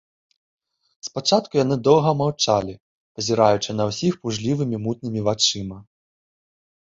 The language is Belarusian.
Спачатку яны доўга маўчалі, пазіраючы на ўсіх пужлівымі, мутнымі вачыма.